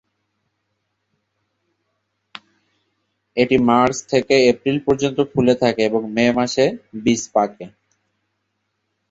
এটি মার্চ থেকে এপ্রিল পর্যন্ত ফুলে থাকে এবং মে মাসে বীজ পাকে।